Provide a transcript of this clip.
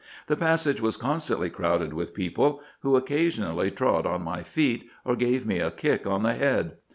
The passage was constantly crowded with people, who occasionally trod on my feet, or gave me a kick on the head.